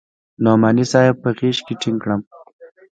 نعماني صاحب په غېږ کښې ټينګ کړم.